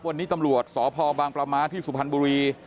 วันนี้ตำรวจสพบางประม้าที่สุพรรณบุรี